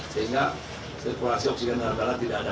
sehingga sirkulasi oksigen dalam darah tidak ada